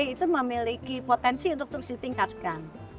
itu memiliki potensi untuk terus ditingkatkan